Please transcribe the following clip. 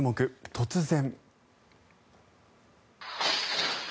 突然。